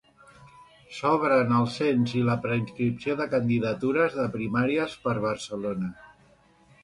S'obren el cens i la preinscripció de candidatures de Primàries per Barcelona.